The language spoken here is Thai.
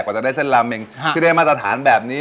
กว่าจะได้เส้นลาเมงที่ได้มาตรฐานแบบนี้